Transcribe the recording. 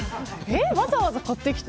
わざわざ買ってきて。